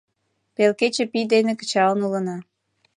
— Пел кече пий дене кычалын улына».